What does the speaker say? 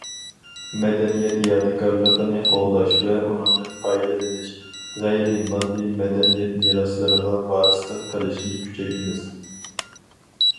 مەدەنىيەت يادىكارلىقىنى قوغداش ۋە ئۇنىڭدىن پايدىلىنىش، غەيرىي ماددىي مەدەنىيەت مىراسلىرىغا ۋارىسلىق قىلىشنى كۈچەيتىمىز.